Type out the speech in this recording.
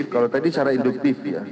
kalau tadi secara induktif ya